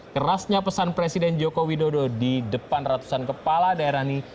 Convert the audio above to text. kerasnya pesan presiden joko widodo di depan ratusan kepala daerah ini